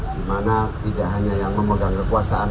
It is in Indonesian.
dimana tidak hanya yang memegang kekuasaan